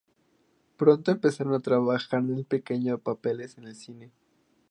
Pronto empezaron a trabajar en pequeños papeles en el cine.